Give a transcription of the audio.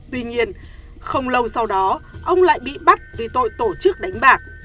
tuy nhiên không lâu sau đó ông lại bị bắt vì tội tổ chức đánh bạc